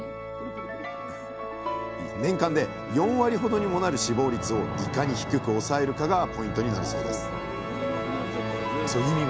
年間で４割ほどにもなる死亡率をいかに低く抑えるかがポイントになるそうです